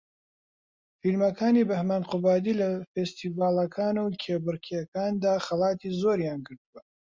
فیلمەکانی بەھمەن قوبادی لە فێستیڤاڵەکان و کێبەرکێکاندا خەڵاتی زۆریان گرتووە